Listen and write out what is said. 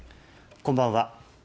こんばんは。